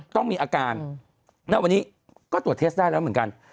ต้องมีอาการณวันนี้ก็ตรวจเทสได้แล้วเหมือนกัน